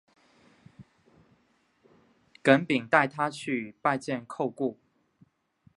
耿秉带他去拜见窦固。